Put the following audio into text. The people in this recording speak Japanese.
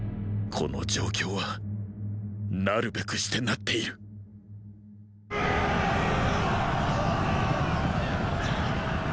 この状況はなるべくしてなっているウオオオオオッ！！